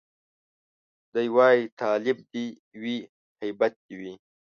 دی وايي تالب دي وي هيبت دي وي